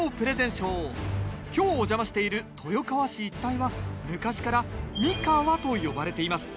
今日お邪魔している豊川市一帯は昔から三河と呼ばれています。